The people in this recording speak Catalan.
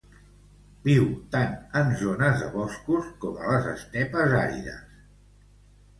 Viu tant en zones de boscos com a les estepes àrides.